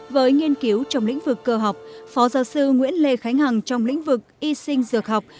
với nghiên cứu trong lĩnh vực cơ học phó giáo sư nguyễn lê khánh hằng trong lĩnh vực y sinh dược học